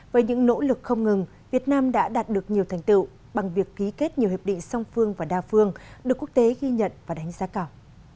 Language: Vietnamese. với những nỗ lực không ngừng việt nam đã đạt được nhiều thành tựu bằng việc ký kết nhiều hiệp định song phương và đa phương được quốc tế ghi nhận và đánh giá cao